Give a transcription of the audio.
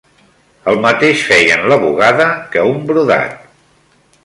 El mateix feien la bugada, que un brodat